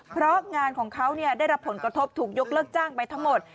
เพราะงานของเขาได้รับผลกระทบถูกยกเลิกจ้างไปทั้งหมด